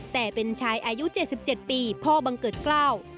แต่เป็นชายอายุ๗๗ปีพ่อบังเกิดเกล้า